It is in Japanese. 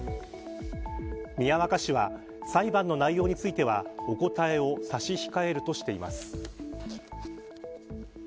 宮若市は、裁判の内容についてはお答えを差し控えるとしています。